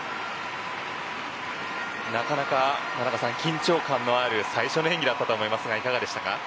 なかなか田中さん、緊張感のある最初の演技だったと思いますがいかがでしたか。